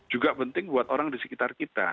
juga penting buat orang di sekitar kita